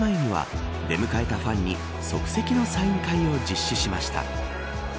試合前には出迎えたファンに即席のサイン会を実施しました。